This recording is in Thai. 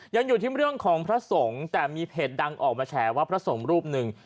ยังอยู่ที่เรื่องของพระสงฆ์แต่มีเพจดังออกมาแฉว่าพระสงฆ์รูปหนึ่ง